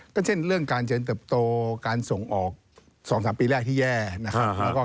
ก็เช่นเรื่องการเจริญเติบโตการส่งออก๒๓ปีแรกที่แย่นะครับ